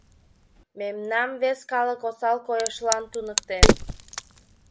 Мемнам вес калык осал койышлан туныктен.